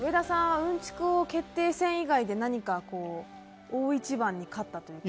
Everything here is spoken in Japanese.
うんちく王決定戦以外で、何か大一番に勝ったとか。